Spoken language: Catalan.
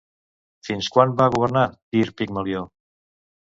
Fins quan va governar Tir Pigmalió?